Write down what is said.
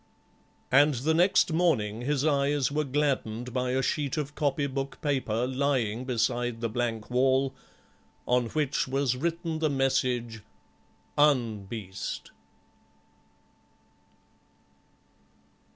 And the next morning his eyes were gladdened by a sheet of copy book paper lying beside the blank wall, on which was written the message "Un Beast."